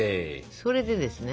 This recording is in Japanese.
それでですね